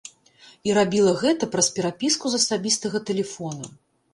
І рабіла гэта праз перапіску з асабістага тэлефона.